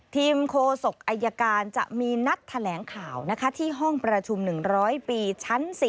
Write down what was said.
โคศกอายการจะมีนัดแถลงข่าวที่ห้องประชุม๑๐๐ปีชั้น๔